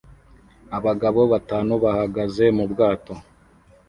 Abagabo batanu bahagaze mu bwato